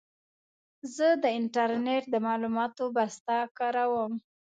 زه د انټرنېټ د معلوماتو بسته کاروم.